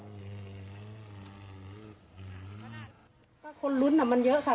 แล้วก็มีคนลุ้นอ่ะมันเยอะใส่